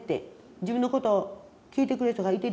自分のことを聞いてくれる人がいてるよねって。